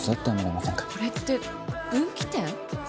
これって、分岐点？